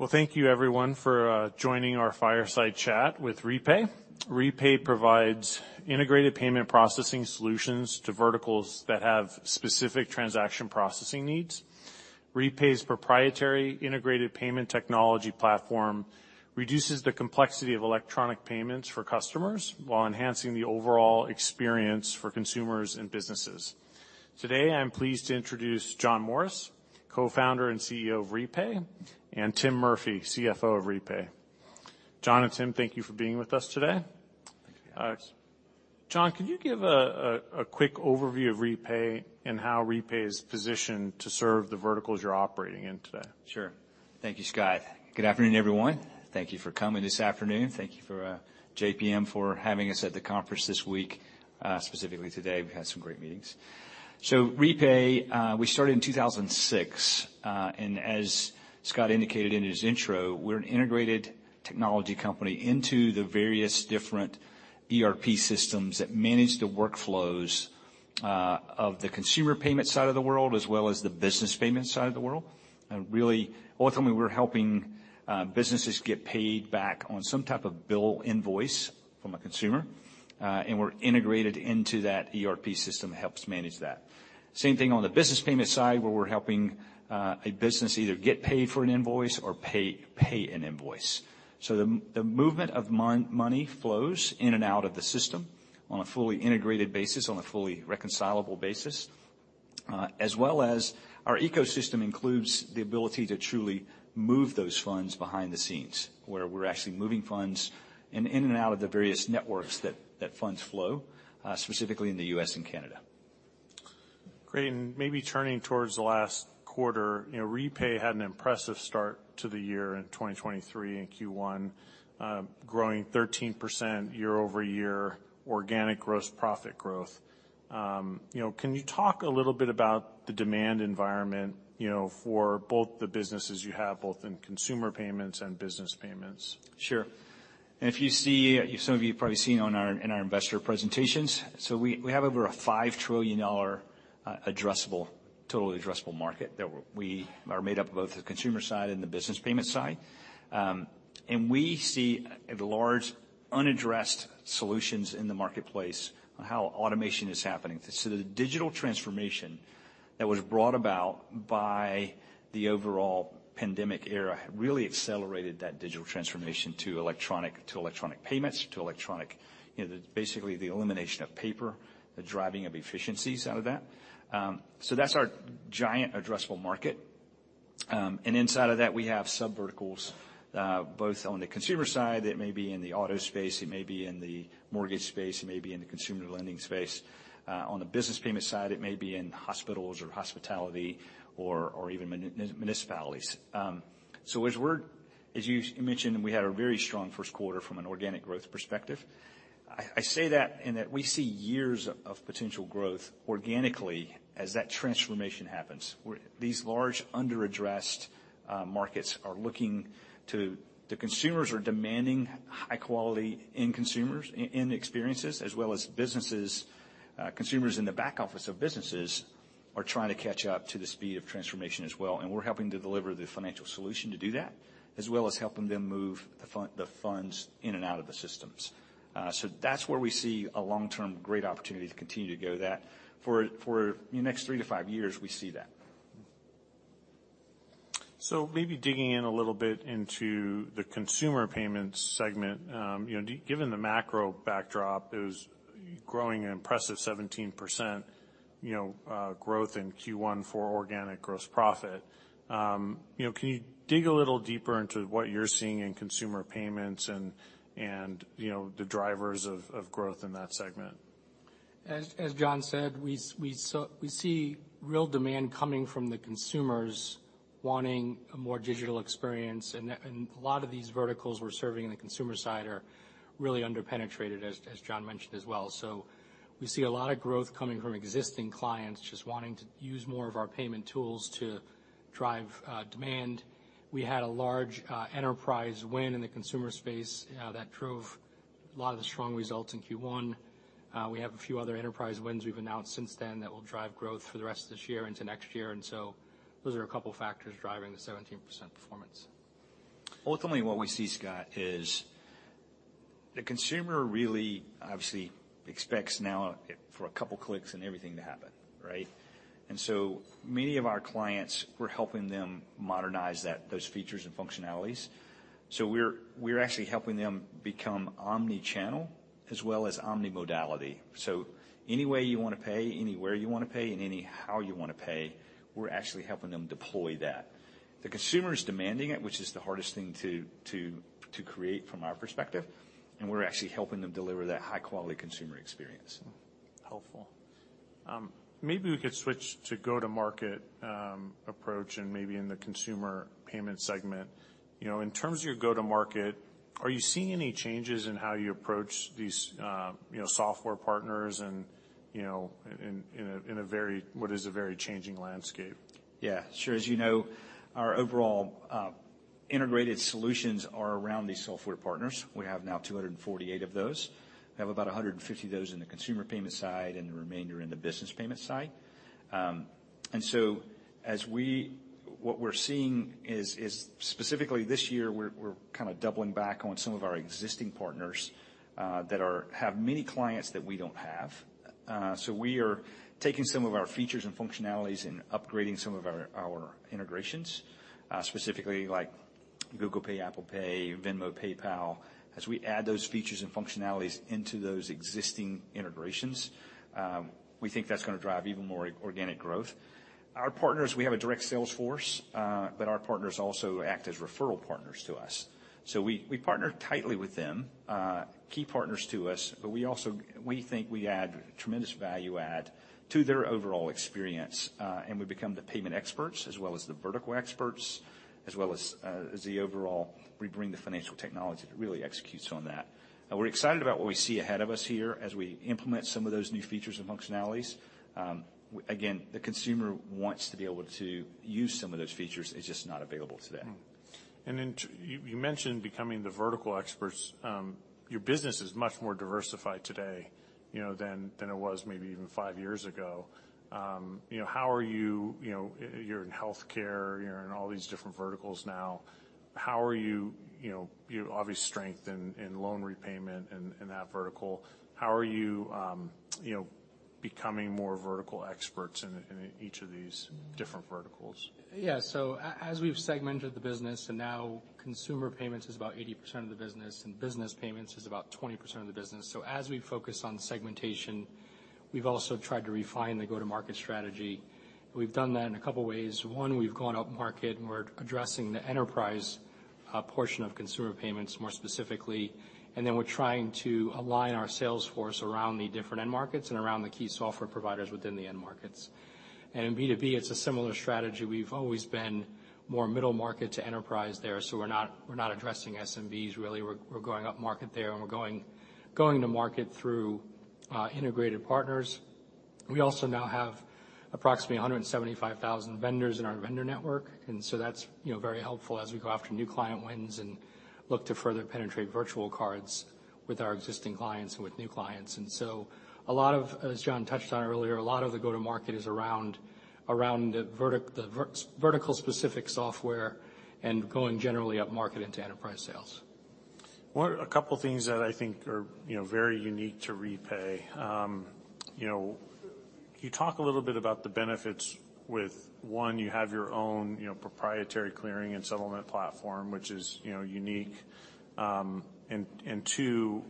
`Well, thank you everyone for joining our fireside chat with Repay. Repay provides integrated payment processing solutions to verticals that have specific transaction processing needs. Repay's proprietary integrated payment technology platform reduces the complexity of electronic payments for customers while enhancing the overall experience for consumers and businesses. Today, I'm pleased to introduce John Morris, Co-Founder and CEO of Repay, and Tim Murphy, CFO of Repay. John and Tim, thank you for being with us today. Thank you. John, could you give a quick overview of Repay and how Repay is positioned to serve the verticals you're operating in today? Sure. Thank you, Scott. Good afternoon, everyone. Thank Thank you for coming this afternoon. Thank you for JPM for having us at the conference this week, specifically today. We've had some great meetings. Repay, we started in 2006. As Scott indicated in his intro, we're an integrated technology company into the various different ERP systems that manage the workflows of the consumer payment side of the world, as well as the business payment side of the world. Really, ultimately, we're helping businesses get paid back on some type of bill invoice from a consumer, and we're integrated into that ERP system that helps manage that. Same thing on the business payment side, where we're helping a business either get paid for an invoice or pay an invoice. The movement of money flows in and out of the system on a fully integrated basis, on a fully reconcilable basis, as well as our ecosystem includes the ability to truly move those funds behind the scenes, where we're actually moving funds in and out of the various networks that funds flow, specifically in the U.S. and Canada. Great. Maybe turning towards the last quarter, you know, Repay had an impressive start to the year in 2023 in Q1, growing 13% year-over-year organic gross profit growth. You know, can you talk a little bit about the demand environment, you know for both the businesses you have, both in consumer payments and business payments? Sure. If you see, some of you have probably seen on our in our investor presentations. We have over a $5 trillion addressable, total addressable market that we are made up of both the consumer side and the business payment side. We see a large unaddressed solutions in the marketplace on how automation is happening. The digital transformation that was brought about by the overall pandemic era really accelerated that digital transformation to electronic payments, to electronic, you know, basically the elimination of paper, the driving of efficiencies out of that. That's our giant addressable market. Inside of that, we have sub verticals, both on the consumer side, it may be in the auto space, it may be in the mortgage space, it may be in the consumer lending space. On the business payment side it may be in hospitals or hospitality or even municipalities. As you mentioned, we had a very strong first quarter from an organic growth perspective. I say that in that we see years of potential growth organically as that transformation happens, where these large under addressed markets are looking to... The consumers are demanding high quality in consumers, in experiences, as well as businesses. Consumers in the back office of businesses are trying to catch up to the speed of transformation as well, and we're helping to deliver the financial solution to do that, as well as helping them move the funds in and out of the systems. That's where we see a long-term great opportunity to continue to go that. For the next three to five years we see that. Maybe digging in a little bit into the consumer payments segment, you know, given the macro backdrop, it was growing an impressive 17%, you know, growth in Q1 for organic gross profit. You know, can you dig a little deeper into what you're seeing in consumer payments and, you know, the drivers of growth in that segment? As John said, we see real demand coming from the consumers wanting a more digital experience. A lot of these verticals we're serving on the consumer side are really under-penetrated, as John mentioned as well. We see a lot of growth coming from existing clients just wanting to use more of our payment tools to drive demand. We had a large enterprise win in the consumer space that drove a lot of the strong results in Q1. We have a few other enterprise wins we've announced since then that will drive growth for the rest of this year into next year. Those are a couple factors driving the 17% performance. Ultimately, what we see, Scott, is the consumer really obviously expects now for a couple clicks and everything to happen, right? Many of our clients, we're helping them modernize that, those features and functionalities. We're actually helping them become omni-channel as well as omni-modality. Any way you wanna pay, anywhere you wanna pay, and any how you wanna pay, we're actually helping them deploy that. The consumer is demanding it, which is the hardest thing to create from our perspective, and we're actually helping them deliver that high quality consumer experience. Helpful. Maybe we could switch to go to market approach and maybe in the consumer payment segment. You know, in terms of your go to market, are you seeing any changes in how you approach these, you know, software partners and you know, in a very, what is a very changing landscape? Sure. As you know, our overall integrated solutions are around these software partners. We have now 248 of those. We have about 150 of those in the consumer payment side and the remainder in the business payment side. What we're seeing is, specifically this year we're kinda doubling back on some of our existing partners that have many clients that we don't have. We are taking some of our features and functionalities and upgrading some of our integrations, specifically like Google Pay, Apple Pay, Venmo, PayPal. As we add those features and functionalities into those existing integrations, we think that's gonna drive even more organic growth. Our partners, we have a direct sales force, our partners also act as referral partners to us. We partner tightly with them, key partners to us, but we think we add tremendous value add to their overall experience, and we become the payment experts as well as the vertical experts, as well as the overall, we bring the financial technology that really executes on that. We're excited about what we see ahead of us here as we implement some of those new features and functionalities. Again, the consumer wants to be able to use some of those features, it's just not available today. You mentioned becoming the vertical experts. Your business is much more diversified today, you know, than it was maybe even five years ago. You know, how are you know, you're in healthcare, you're in all these different verticals now? How are you know? You have obvious strength in loan repayment and that vertical. How are you know, becoming more vertical experts in each of these different verticals? Yeah. As we've segmented the business, and now consumer payments is about 80% of the business and business payments is about 20% of the business. As we focus on segmentation, we've also tried to refine the go to market strategy. We've done that in a couple ways. One, we've gone up market, and we're addressing the enterprise portion of consumer payments more specifically. We're trying to align our sales force around the different end markets and around the key software providers within the end markets. In B2B, it's a similar strategy. We've always been more middle market to enterprise there, we're not addressing SMBs really. We're going up market there, and we're going to market through integrated partners. We also now have approximately 175,000 vendors in our vendor network, that's, you know, very helpful as we go after new client wins and look to further penetrate virtual cards with our existing clients and with new clients. A lot of, as John touched on earlier, a lot of the go-to-market is around the vertical specific software and going generally up market into enterprise sales. What are a couple things that I think are, you know, very unique to Repay? You know, can you talk a little bit about the benefits with, one, you have your own, you know, proprietary clearing and settlement platform, which is, you know, unique, and two,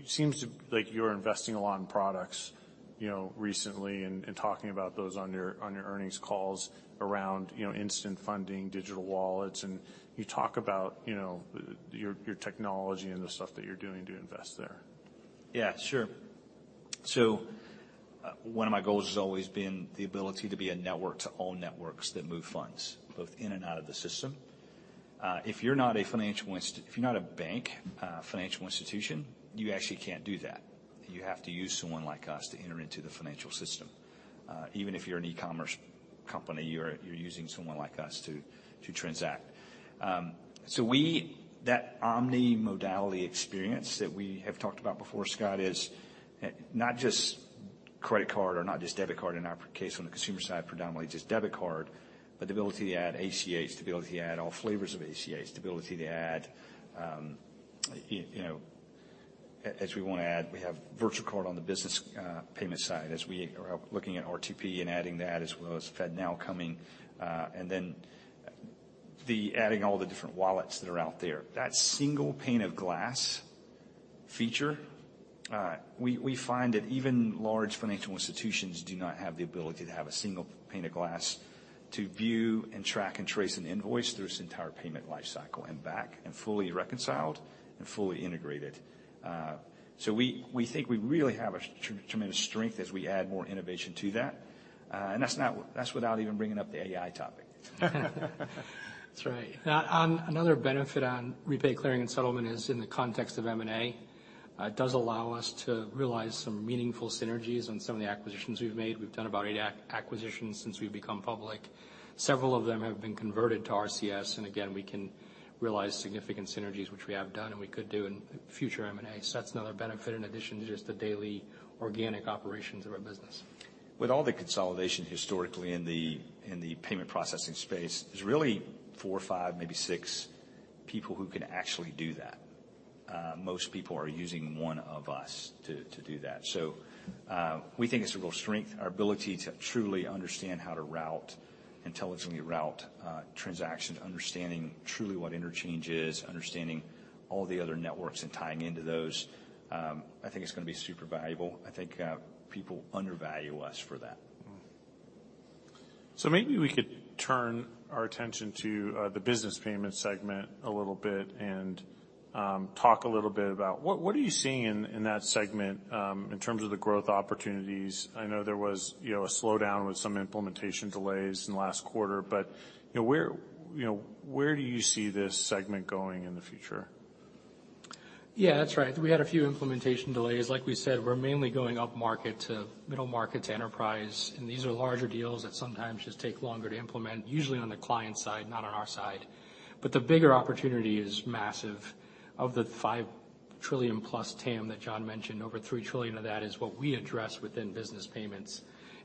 it seems like you're investing a lot in products, you know, recently and talking about those on your earnings calls around, you know, instant funding, digital wallets. Can you talk about, you know, your technology and the stuff that you're doing to invest there? Yeah, sure. One of my goals has always been the ability to be a network to own networks that move funds both in and out of the system. If you're not a bank, financial institution, you actually can't do that. You have to use someone like us to enter into the financial system. Even if you're an e-commerce company, you're using someone like us to transact. That omni-modality experience that we have talked about before, Scott, is not just credit card or not just debit card, in our case, on the consumer side, predominantly just debit card, but the ability to add ACH, the ability to add all flavors of ACH the ability to add, you know, as we want to add, we have virtual card on the business payment side as we are looking at RTP and adding that as well as FedNow coming, and then the adding all the different wallets that are out there. That single pane of glass feature, we find that even large financial institutions do not have the ability to have a single pane of glass to view and track and trace an invoice through its entire payment life cycle and back and fully reconciled and fully integrated. We think we really have a tremendous strength as we add more innovation to that. That's without even bringing up the AI topic. That's right. Another benefit on Repay clearing and settlement is in the context of M&A. It does allow us to realize some meaningful synergies on some of the acquisitions we've made. We've done about eight acquisitions since we've become public. Several of them have been converted to RCS, and again, we can realize significant synergies, which we have done and we could do in future M&As. That's another benefit in addition to just the daily organic operations of our business. With all the consolidation historically in the payment processing space, there's really four, five, maybe six people who can actually do that. Most people are using one of us to do that. We think it's a real strength, our ability to truly understand how to route, intelligently route, transactions, understanding truly what interchange is, understanding all the other networks and tying into those. I think it's going to be super valuable. I think people undervalue us for that. Maybe we could turn our attention to the business payment segment a little bit and talk a little bit about what are you seeing in that segment in terms of the growth opportunities? I know there was, you know, a slowdown with some implementation delays in the last quarter, but, you know, where do you see this segment going in the future? Yeah, that's right. We had a few implementation delays. Like we said, we're mainly going up market to middle market to enterprise, these are larger deals that sometimes just take longer to implement, usually on the client side, not on our side. The bigger opportunity is massive. Of the five trillion+ TAM that John mentioned, over three trillion of that is what we address within business payments.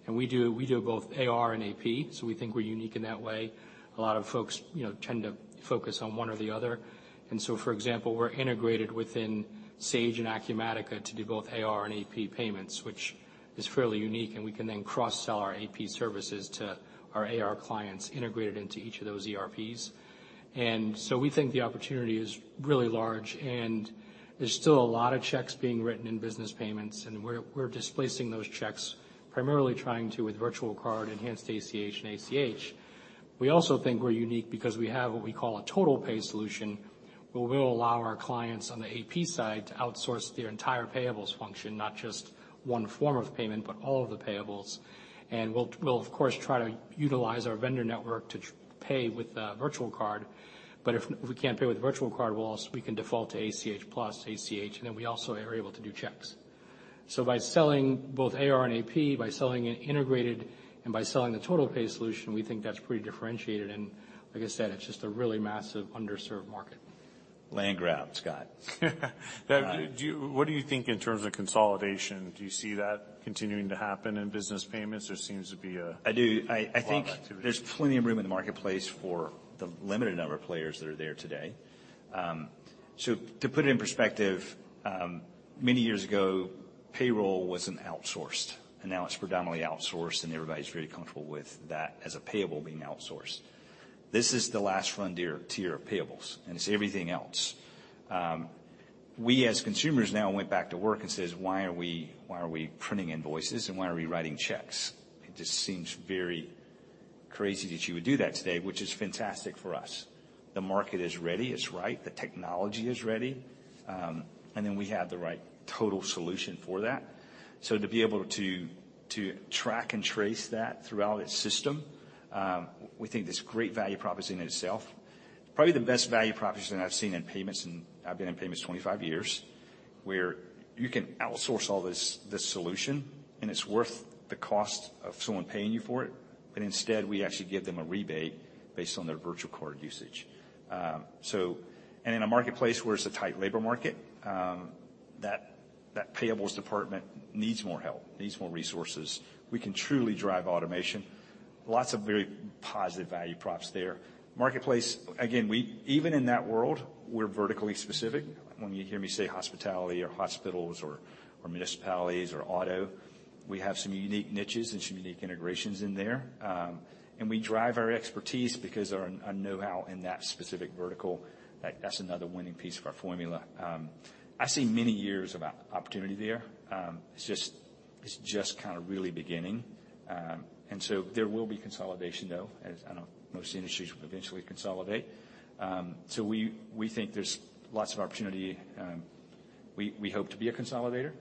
We do both AR and AP, we think we're unique in that way. A lot of folks, you know, tend to focus on one or the other. For example, we're integrated within Sage and Acumatica to do both AR and AP payments, which is fairly unique, and we can then cross-sell our AP services to our AR clients integrated into each of those ERPs. We think the opportunity is really large, and there's still a lot of checks being written in business payments, and we're displacing those checks, primarily trying to with virtual card, enhanced ACH, and ACH. We also think we're unique because we have what we call a TotalPay solution, where we'll allow our clients on the AP side to outsource their entire payables function, not just one form of payment, but all of the payables. We'll of course, try to utilize our vendor network to pay with a virtual card. If we can't pay with a virtual card, we can default to ACH plus ACH, and then we also are able to do checks. By selling both AR and AP, by selling it integrated, and by selling the TotalPay solution, we think that's pretty differentiated. Like I said, it's just a really massive underserved market. Land grab, Scott. Now what do you think in terms of consolidation? Do you see that continuing to happen in business payments? There seems to be. I do. I think- Lot of activity.... there's plenty of room in the marketplace for the limited number of players that are there today. To put it in perspective, many years ago, payroll wasn't outsourced, and now it's predominantly outsourced, and everybody's very comfortable with that as a payable being outsourced. This is the last frontier-- tier of payables, and it's everything else. We, as consumers now went back to work and says, "Why are we, why are we printing invoices and why are we writing checks?" It just seems very crazy that you would do that today, which is fantastic for us. The market is ready, it's right, the technology is ready. We have the right total solution for that. To be able to track and trace that throughout its system, we think there's great value proposition in itself. Probably the best value proposition I've seen in payments, I've been in payments 25 years, where you can outsource all this solution, and it's worth the cost of someone paying you for it. Instead, we actually give them a rebate based on their virtual card usage. In a marketplace where it's a tight labor market, that payables department needs more help, needs more resources. We can truly drive automation. Lots of very positive value props there. Marketplace, again, even in that world, we're vertically specific. When you hear me say hospitality or hospitals or municipalities or auto, we have some unique niches and some unique integrations in there. We drive our expertise because our know-how in that specific vertical, that's another winning piece of our formula. I see many years of opportunity there. It's just kind of really beginning. There will be consolidation, though, as I know most industries will eventually consolidate. We, we think there's lots of opportunity. We, we hope to be a consolidator,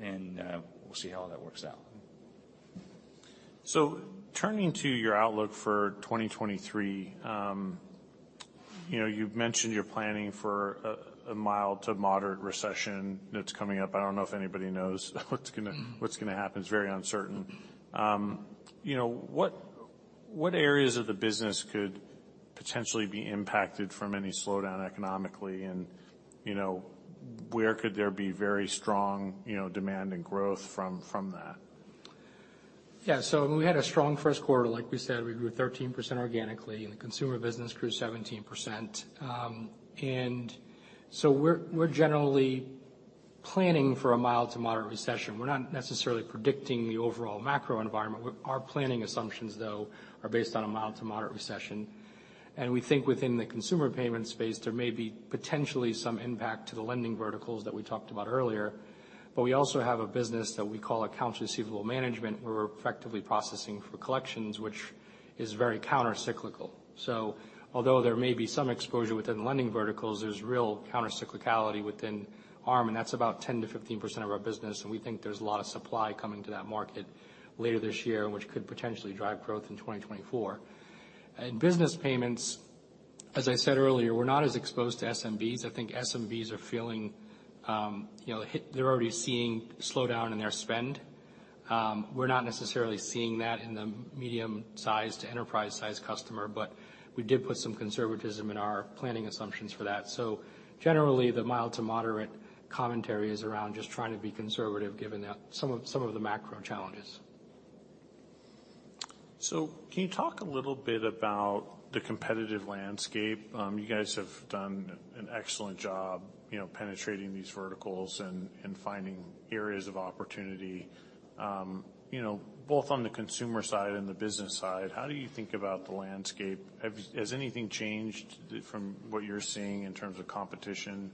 and we'll see how all that works out. Turning to your outlook for 2023, you know, you've mentioned you're planning for a mild to moderate recession that's coming up. I don't know if anybody knows what's gonna happen. It's very uncertain. You know, what areas of the business could potentially be impacted from any slowdown economically and, you know, where could there be very strong, you know, demand and growth from that? Yeah. We had a strong first quarter, like we said, we grew 13% organically, and the consumer business grew 17%. We're generally planning for a mild to moderate recession. We're not necessarily predicting the overall macro environment. Our planning assumptions, though, are based on a mild to moderate recession. We think within the consumer payment space, there may be potentially some impact to the lending verticals that we talked about earlier. We also have a business that we call accounts receivable management, where we're effectively processing for collections, which is very countercyclical. Although there may be some exposure within the lending verticals, there's real countercyclicality within ARM, and that's about 10%-15% of our business, and we think there's a lot of supply coming to that market later this year, which could potentially drive growth in 2024. In business payments, as I said earlier, we're not as exposed to SMBs. I think SMBs are feeling, you know, they're already seeing slowdown in their spend. We're not necessarily seeing that in the medium-sized to enterprise-sized customer, but we did put some conservatism in our planning assumptions for that. Generally, the mild to moderate commentary is around just trying to be conservative given that some of the macro challenges. Can you talk a little bit about the competitive landscape? You guys have done an excellent job, you know, penetrating these verticals and finding areas of opportunity. You know, both on the consumer side and the business side, how do you think about the landscape? Has anything changed from what you're seeing in terms of competition,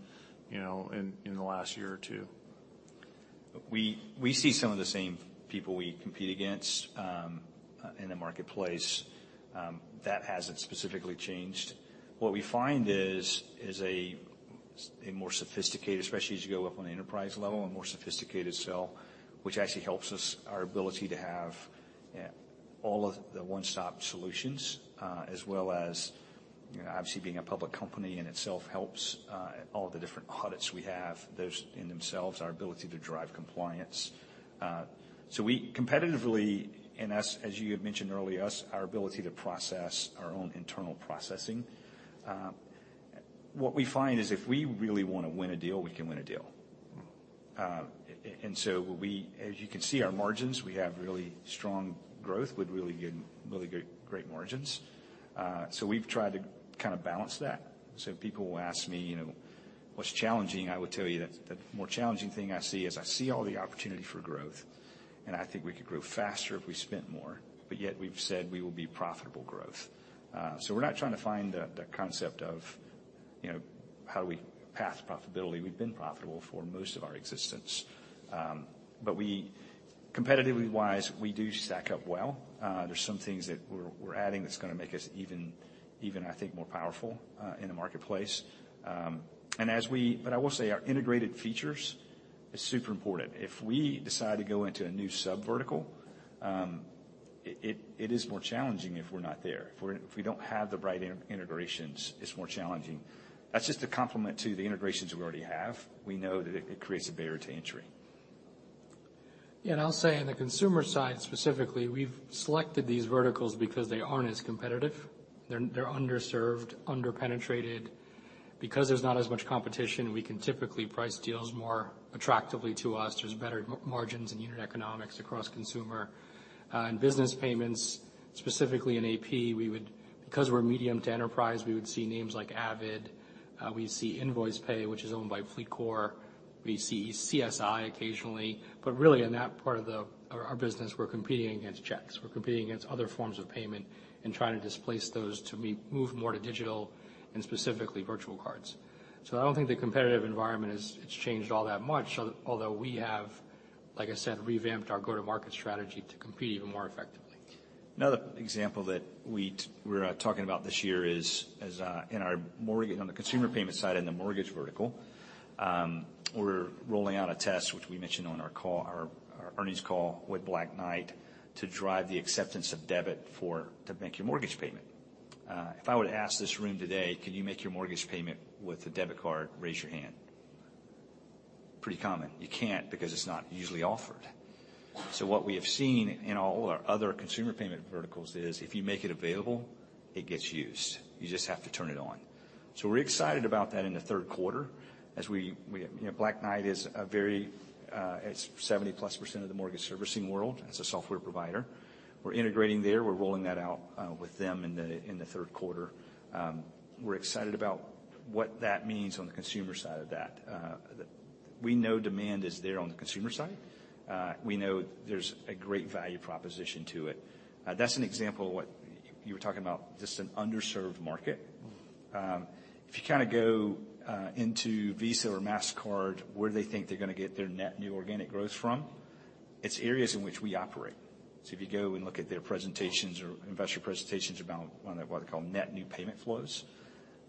you know, in the last year or two? We see some of the same people we compete against in the marketplace. That hasn't specifically changed. What we find is a more sophisticated, especially as you go up on the enterprise level, a more sophisticated sell, which actually helps us, our ability to have All of the one-stop solutions, as well as, you know, obviously being a public company in itself helps all the different audits we have, those in themselves, our ability to drive compliance. We competitively, and as you had mentioned earlier, us, our ability to process our own internal processing, what we find is if we really wanna win a deal, we can win a deal. As you can see our margins, we have really strong growth with really good, great margins. We've tried to kinda balance that. People will ask me, you know, "What's challenging?" I would tell you that the more challenging thing I see is I see all the opportunity for growth, and I think we could grow faster if we spent more, but yet we've said we will be profitable growth. We're not trying to find the concept of, you know, how do we path profitability. We've been profitable for most of our existence. Competitively wise, we do stack up well. There's some things that we're adding that's gonna make us even, I think, more powerful in the marketplace. But I will say our integrated features is super important. If we decide to go into a new sub-vertical, it is more challenging if we're not there. If we don't have the right integrations, it's more challenging. That's just a compliment to the integrations we already have. We know that it creates a barrier to entry. I'll say on the consumer side specifically, we've selected these verticals because they aren't as competitive. They're underserved, under-penetrated. There's not as much competition, we can typically price deals more attractively to us. There's better margins and unit economics across consumer. In business payments, specifically in AP, because we're medium to enterprise, we would see names like Avid. We see Nvoicepay, which is owned by FLEETCOR. We see CSI occasionally. Really, in that part of our business, we're competing against checks. We're competing against other forms of payment and trying to displace those to be moved more to digital and specifically virtual cards. I don't think the competitive environment has changed all that much, although we have, like I said, revamped our go-to-market strategy to compete even more effectively. Another example that we're talking about this year is, as in our mortgage on the consumer payment side in the mortgage vertical, we're rolling out a test which we mentioned on our call, our earnings call with Black Knight to drive the accepance of debit to make your mortgage payment. If I were to ask this room today, "Can you make your mortgage payment with a debit card?" Raise your hand. Pretty common. You can't because it's not usually offered. What we have seen in all our other consumer payment verticals is if you make it available it gets used. You just have to turn it on. We're excited about that in the third quarter as we, you know, Black Knight is a very, it's 70% plus of the mortgage servicing world as a software provider. We're integrating there. We're rolling that out with them in the third quarter. We're excited about what that means on the consumer side of that. We know demand is there on the consumer side. We know there's a great value proposition to it. That's an example of what you were talking about, just an underserved market. If you kinda go into Visa or Mastercard, where they think they're gonna get their net new organic growth from, it's areas in which we operate. If you go and look at their presentations or investor presentations about one of what they call net new payment flows,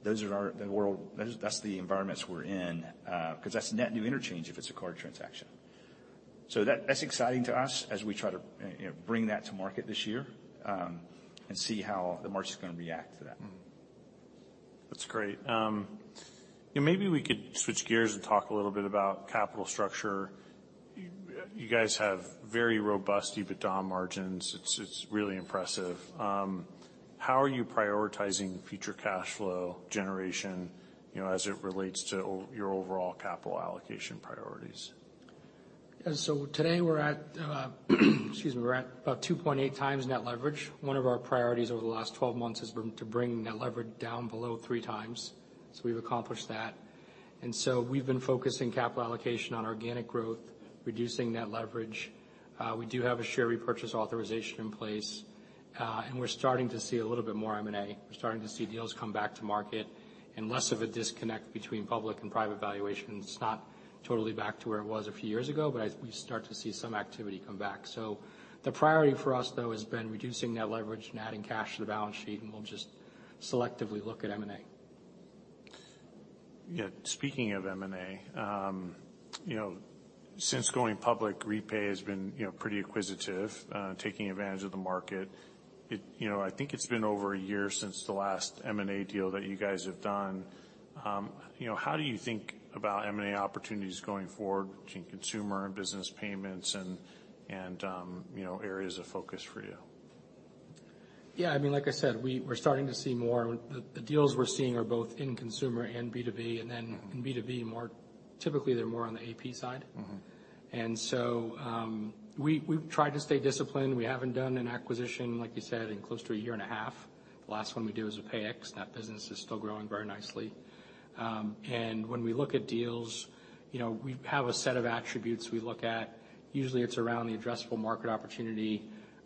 those are the environments we're in, 'cause that's net new interchange if it's a card transaction. That, that's exciting to us as we try to, you know, bring that to market this year, and see how the market's gonna react to that. That's great. You know, maybe we could switch gears and talk a little bit about capital structure. You guys have very robust EBITDA margins. It's really impressive. How are you prioritizing future cash flow generation, you know, as it relates to your overall capital allocation priorities? Today we're at, excuse me, we're at about 2.8x net leverage. One of our priorities over the last 12 months has been to bring net leverage down below 3x, so we've accomplished that. We've been focusing capital allocation on organic growth, reducing net leverage. We do have a share repurchase authorization in place, and we're starting to see a little bit more M&A. We're starting to see deals come back to market and less of a disconnect between public and private valuations. It's not totally back to where it was a few years ago, but we start to see some activity come back. The priority for us, though, has been reducing net leverage and adding cash to the balance sheet, and we`ll just selectively look at M&A. Yeah. Speaking of M&A, you know, since going public, Repay has been, you know, pretty acquisitive, taking advantage of the market. You know, I think it's been over a year since the last M&A deal that you guys have done. You know, how do you think about M&A opportunities going forward between consumer and business payments and, you know, areas of focus for you? Yeah. I mean, like I said, we're starting to see more. The deals we're seeing are both in consumer and B2B, and then in B2B typically, they're more on the AP side. Mm-hmm. We've tried to stay disciplined. We haven't done an acquisition, like you said, in close to a year and a half. The last one we did was with Payix. That business is still growing very nicely. When we look at deals, you know, we have a set of attributes we look at. Usually, it's around the addressable market opportunity.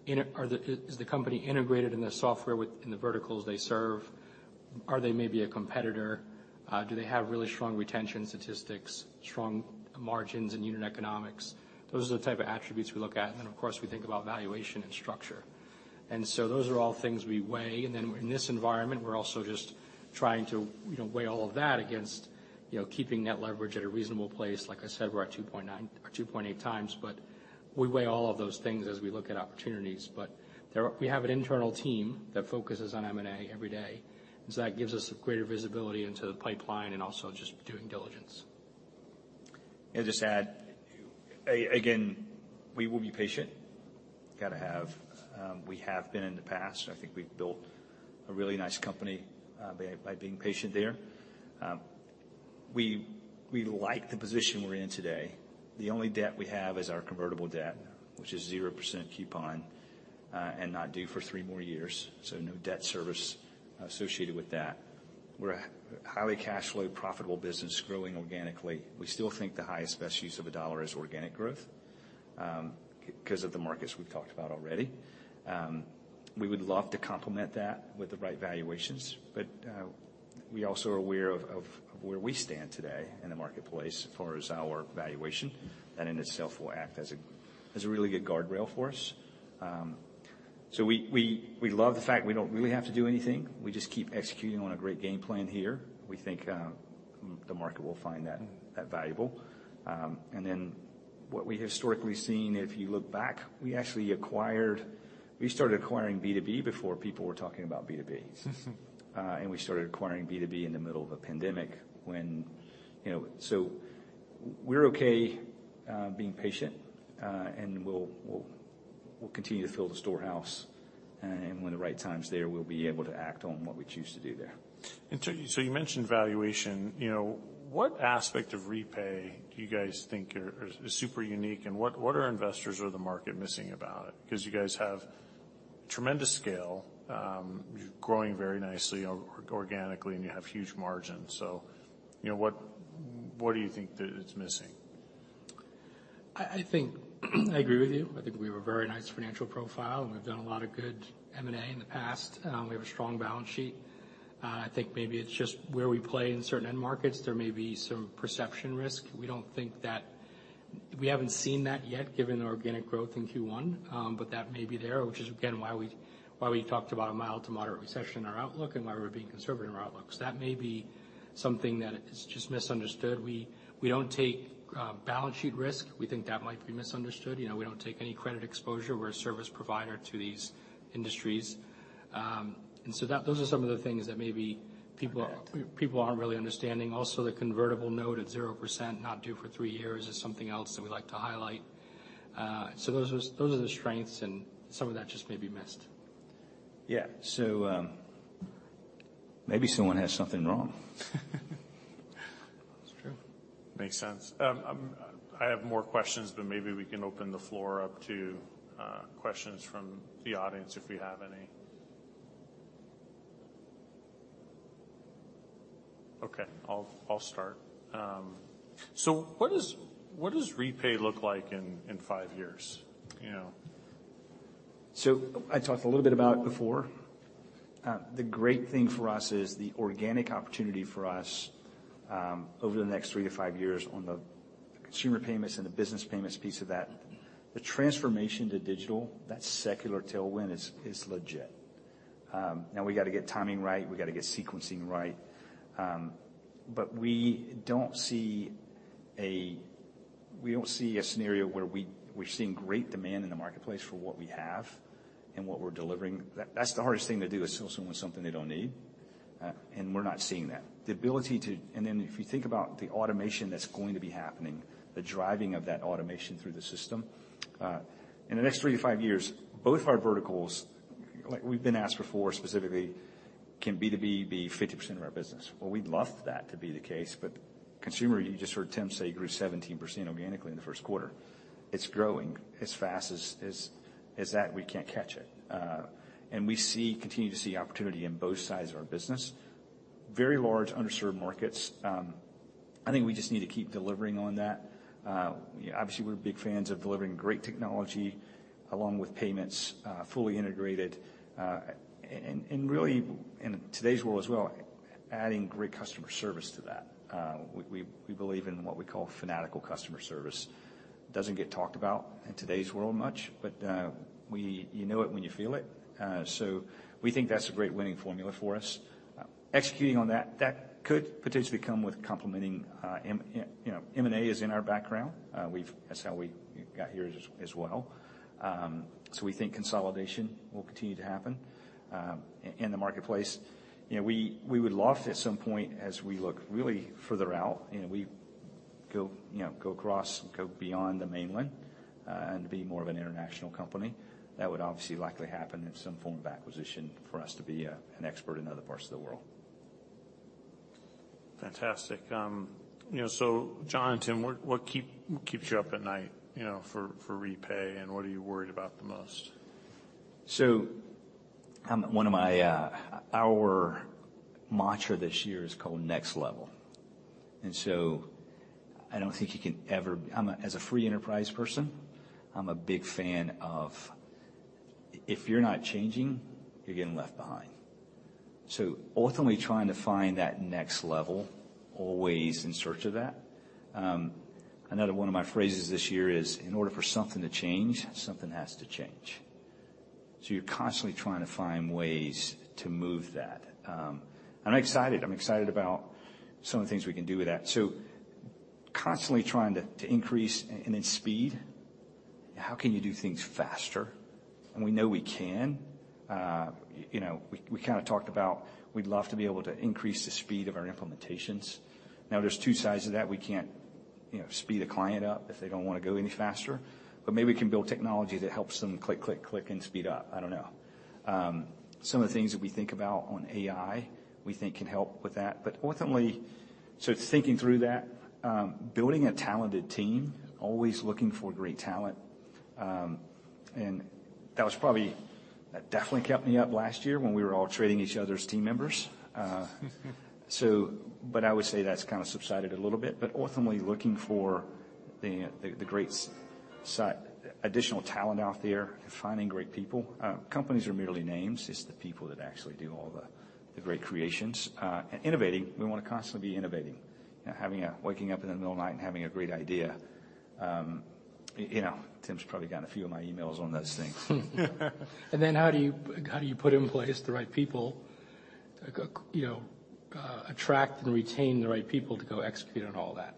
Is the company integrated in the software in the verticals they serve? Are they maybe a competitor? Do they have really strong retention statistics, strong margins and unit economics? Those are the type of attributes we look at. Of course, we think about valuation and structure. Those are all things we weigh. In this environment, we're also just trying to, you know, weigh all of that against. Keeping net leverage at a reasonable place. Like I said, we're at 2.8x. We weigh all of those things as we look at opportunities. We have an internal team that focuses on M&A every day. That gives us greater visibility into the pipeline and also just due diligence. I'll just add, again, we will be patient. Gotta have, we have been in the past. I think we've built a really nice company by being patient there. We like the position we're in today. The only debt we have is our convertible debt, which is 0% coupon and not due for three more years, no debt service associated with that. We're a highly cash-flow profitable business growing organically. We still think the highest best use of $1 is organic growth 'cause of the markets we've talked about already. We would love to complement that with the right valuations, we also are aware of where we stand today in the marketplace as far as our valuation. That in itself will act as a really good guardrail for us. We love the fact we don't really have to do anything. We just keep executing on a great game plan here. We think the market will find that valuable. What we historically seen, if you look back, we actually acquired. We started acquiring B2B before people were talking about B2B. We started acquiring B2B in the middle of a pandemic when, you know. So we're okay being patient, and we'll continue to fill the storehouse, and when the right time's there, we'll be able to act on what we choose to do there. You mentioned valuation, you know. What aspect of Repay do you guys think is super unique, and what are investors or the market missing about it? You guys have tremendous scale, you're growing very nicely organically, and you have huge margins. You know, what do you think that it's missing? I think I agree with you. I think we have a very nice financial profile. We've done a lot of good M&A in the past. We have a strong balance sheet. I think maybe it's just where we play in certain end markets, there may be some perception risk. We don't think that. We haven't seen that yet given the organic growth in Q1, but that may be there, which is again, why we talked about a mild to moderate recession in our outlook. Why we're being conservative in our outlook. That may be something that is just misunderstood. We don't take balance sheet risk. We think that might be misunderstood. You know, we don't take any credit exposure. We're a service provider to these industries. those are some of the things that maybe people. Correct. People aren't really understanding. The convertible note at 0%, not due for three years is something else that we like to highlight. Those are the strengths and some of that just may be missed. Yeah. Maybe someone has something wrong. It's true. Makes sense. I have more questions, but maybe we can open the floor up to questions from the audience if we have any. Okay. I'll start. What does Repay look like in five years? You know. I talked a little bit about before. The great thing for us is the organic opportunity for us over the next three to five years on the consumer payments and the business payments piece of that. The transformation to digital, that secular tailwind is legit. Now we gotta get timing right, we gotta get sequencing right. We don't see a scenario where we're seeing great demand in the marketplace for what we have and what we're delivering. That's the hardest thing to do is sell someone something they don't need. We're not seeing that. The ability to... If you think about the automation that's going to be happening, the driving of that automation through the system, in the next three to five years, both of our verticals, like we've been asked before specifically, can B2B be 50% of our business? Well, we'd love that to be the case, but consumer, you just heard Tim say, grew 17% organically in the first quarter. It's growing as fast as that, we can't catch it. We see, continue to see opportunity in both sides of our business. Very large, underserved markets. I think we just need to keep delivering on that. Obviously, we're big fans of delivering great technology along with payments, fully integrated. And really in today's world as well, adding great customer service to that. We believe in what we call fanatical customer service. Doesn't get talked about in today's world much. We know it when you feel it. We think that's a great winning formula for us. Executing on that could potentially come with complementing. You know, M&A is in our background. That's how we got here as well. We think consolidation will continue to happen in the marketplace. You know, we would love to, at some point, as we look really further out and we go, you know, go across and go beyond the mainland and be more of an international company. That would obviously likely happen in some form of acquisition for us to be an expert in other parts of the world. Fantastic. You know, John and Tim, what keeps you up at night, you know, for Repay, and what are you worried about the most? One of my, our mantra this year is called next level. I don't think you can ever. As a free enterprise person, I'm a big fan of, if you're not changing, you're getting left behind. Ultimately trying to find that next level, always in search of that. Another one of my phrases this year is, in order for something to change, something has to change. You're constantly trying to find ways to move that. I'm excited. I'm excited about some of the things we can do with that. Constantly trying to increase and then speed. How can you do things faster? We know we can. You know, we kinda talked about we'd love to be able to increase the speed of our implementations. There's 2 sides to that. We can't, you know, speed a client up if they don't wanna go any faster, but maybe we can build technology that helps them click, click and speed up. I don't know. Some of the things that we think about on AI, we think can help with that. Ultimately, so thinking through that, building a talented team, always looking for great talent. That definitely kept me up last year when we were all trading each other's team members. I would say that's kinda subsided a little bit. Ultimately, looking for the great additional talent out there and finding great people. Companies are merely names. It's the people that actually do all the great creations. Innovating. We wanna constantly be innovating. You know, waking up in the middle of the night and having a great idea. you know, Tim's probably gotten a few of my emails on those things. How do you, how do you put in place the right people, like, you know, attract and retain the right people to go execute on all that?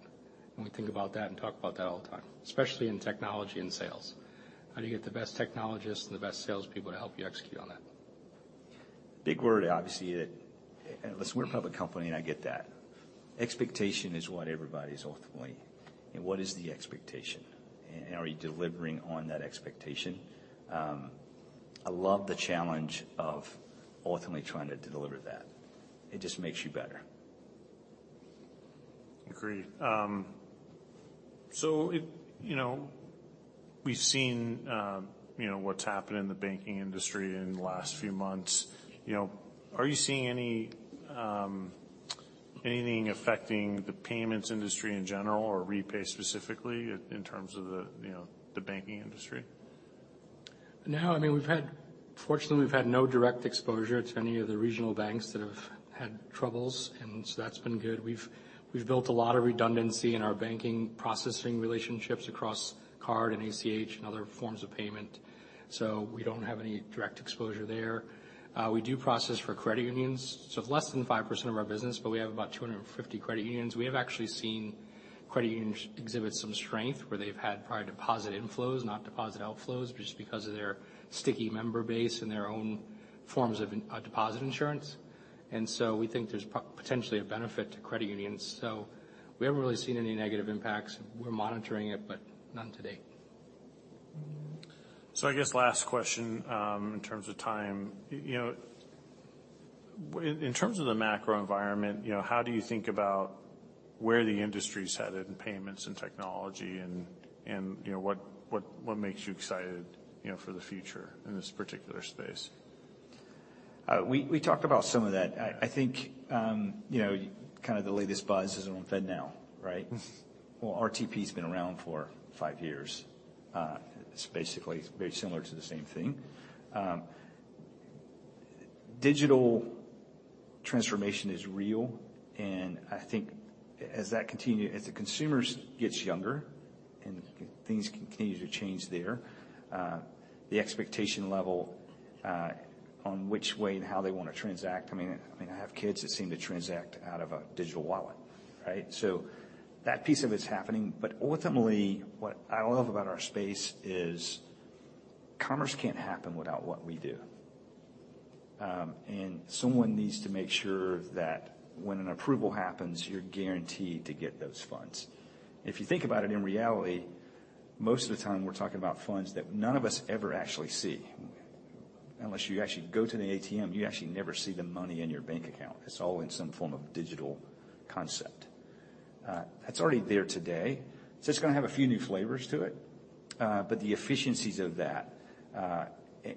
We think about that and talk about that all the time, especially in technology and sales. How do you get the best technologists and the best salespeople to help you execute on that? Big word, obviously, that, listen, we're a public company, and I get that. Expectation is what everybody's ultimately, you know, what is the expectation? Are you delivering on that expectation? I love the challenge of ultimately trying to deliver that. It just makes you better. Agreed. If, you know, we've seen, you know, what's happened in the banking industry in the last few months. You know, are you seeing any, anything affecting the payments industry in general or Repay specifically in terms of the, you know, the banking industry? No. I mean, fortunately, we've had no direct exposure to any of the regional banks that have had troubles. That's been good. We've built a lot of redundancy in our banking processing relationships across card and ACH and other forms of payment. We don't have any direct exposure there. We do process for credit unions. It's less than 5% of our business. We have about 250 credit unions. We have actually seen credit unions exhibit some strength, where they've had prior deposit inflows, not deposit outflows, just because of their sticky member base and their own forms of deposit insurance. We think there's potentially a benefit to credit unions. We haven't really seen any negative impacts. We're monitoring it. None to date. I guess last question, in terms of time. You know, in terms of the macro environment, you know, how do you think about where the industry's headed in payments and technology and, you know, what makes you excited, you know, for the future in this particular space? We talked about some of that. I think, you know, kinda the latest buzz is on FedNow, right? RTP's been around for five years. It's basically very similar to the same thing. Digital transformation is real, and I think as that continue, as the consumers gets younger and things continue to change there, the expectation level on which way and how they wanna transact. I mean, I have kids that seem to transact out of a digital wallet, right? That piece of it's happening. Ultimately, what I love about our space is commerce can't happen without what we do. Someone needs to make sure that when an approval happens, you're guaranteed to get those funds. If you think about it, in reality, most of the time, we're talking about funds that none of us ever actually see. Unless you actually go to the ATM, you actually never see the money in your bank account. It's all in some form of digital concept. That's already there today. It's gonna have a few new flavors to it. But the efficiencies of that,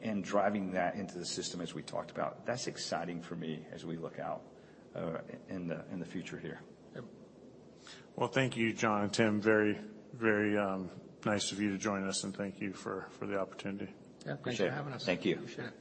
and driving that into the system as we talked about, that's exciting for me as we look out in the future here. Well, thank you, John and Tim. Very nice of you to join us, and thank you for the opportunity. Yeah. Appreciate you having us. Thank you. Appreciate it.